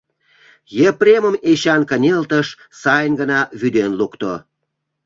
Епремым Эчан кынелтыш, сайын гына вӱден лукто.